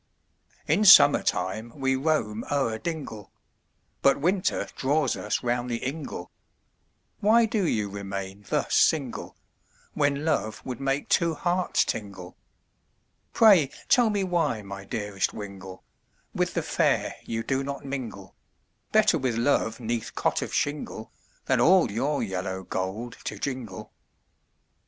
In summer time we roam o'er dingle, But winter draws us round the ingle, Why do you remain thus single, When love would make two hearts tingle, Pray, tell me why my dearest wingle, With the fair you do not mingle, Better with love 'neath cot of shingle, Than all your yellow gold to jingle.